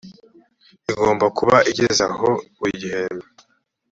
igomba kuba igezeho buri gihembwe